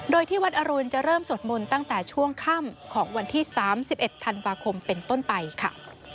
โดยที่วัดอรุณจะเริ่มสวดมนต์ตั้งแต่ช่วงค่ำของวันที่๓๑ธันวาคมเป็นต้นไปค่ะ